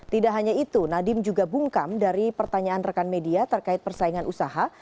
tidak hanya itu nadiem juga bungkam dari pertanyaan rekan media terkait persaingan usaha